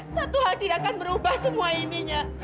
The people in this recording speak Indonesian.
satu hal tidak akan merubah semua iminya